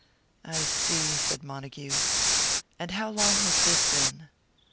"I see," said Montague. "And how long has this been?"